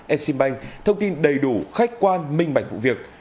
exim bank thông tin đầy đủ khách quan minh bạch vụ việc